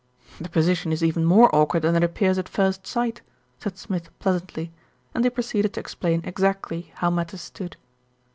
"The position is even more awkward than it appears at first sight," said Smith pleasantly, and he proceeded to explain exactly how matters stood.